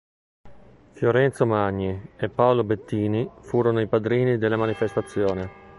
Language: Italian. Fiorenzo Magni e Paolo Bettini furono i padrini della manifestazione.